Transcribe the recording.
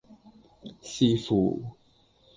視乎